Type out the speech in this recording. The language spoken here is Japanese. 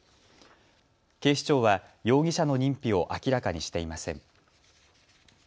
警視庁は容疑者の認否を明らかにしていません。